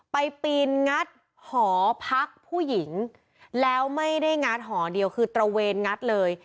ปีนงัดหอพักผู้หญิงแล้วไม่ได้งัดหอเดียวคือตระเวนงัดเลย